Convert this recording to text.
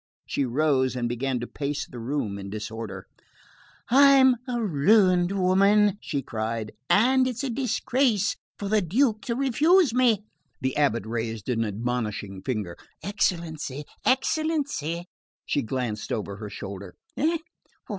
She rose and began to pace the room in disorder. "I'm a ruined woman," she cried, "and it's a disgrace for the Duke to refuse me." The abate raised an admonishing finger. "Excellency...excellency..." She glanced over her shoulder. "Eh?